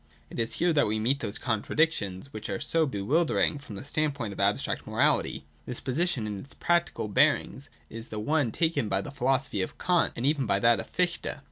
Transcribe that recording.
It is here that we meet those contradictions which are so be wildering from the standpoint of abstract morality. This position in its ' practical ' bearings is the one taken by the philosophy of Kant, and even by that of Fichte.